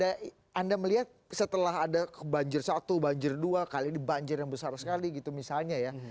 anda melihat setelah ada banjir satu banjir dua kali ini banjir yang besar sekali gitu misalnya ya